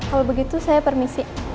kalau begitu saya permisi